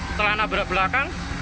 setelah nabrak belakang